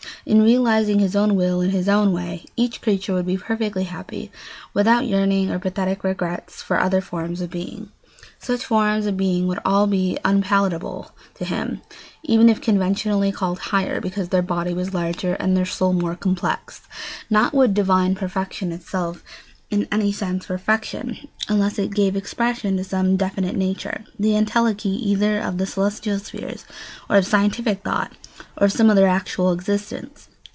In realising his own will in his own way, each creature would be perfectly happy, without yearning or pathetic regrets for other forms of being. Such forms of being would all be unpalatable to him, even if conventionally called higher, because their body was larger, and their soul more complex. Nor would divine perfection itself be in any sense perfection unless it gave expression to some definite nature, the entelechy either of the celestial spheres, or of scientific thought, or of some other actual existence.